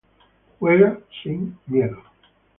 Juega sin miedo.